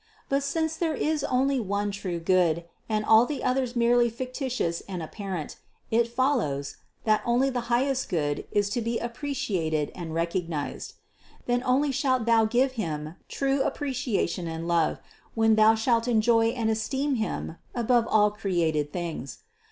But since there is only one true Good, and all the others merely fictitious and apparent, it follows, that only the highest Good is to be appreciated and recognized. Then only shalt thou give Him true appreciation and love, when thou shalt enjoy and esteem Him above all created things.